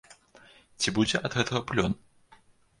Ці будзе ад гэтага плён?